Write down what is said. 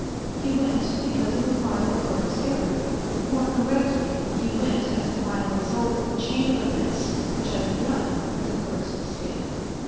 He went because of a file clerk's error. More correctly, he went as the final result of a chain of events which had begun with the clerk's mistake.